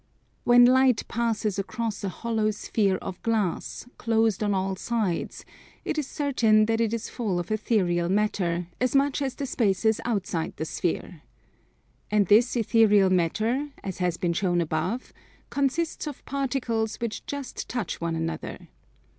When light passes across a hollow sphere of glass, closed on all sides, it is certain that it is full of ethereal matter, as much as the spaces outside the sphere. And this ethereal matter, as has been shown above, consists of particles which just touch one another.